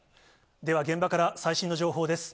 では現場から最新の情報です。